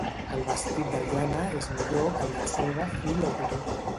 El vestit de llana és millor que el de seda, fil o cotó.